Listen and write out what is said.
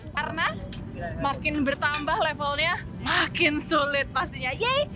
karena makin bertambah levelnya makin sulit pastinya yeay